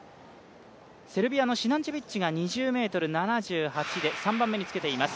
セルビアのシナンチェビッチが２０ｍ７８で３番目に来ています。